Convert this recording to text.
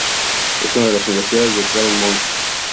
Es una de las Universidades de Claremont.